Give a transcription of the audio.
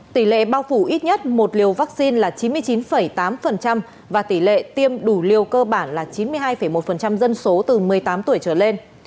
tỷ lệ bao phủ ít nhất một liều vaccine là chín mươi chín tám và tỷ lệ tiêm đủ liều cơ bản là chín mươi hai một dân số từ một mươi tám tuổi trở lên